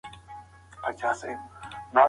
تاسي ولي په انټرنیټ کي د ژبو په اړه معلومات نه لټوئ؟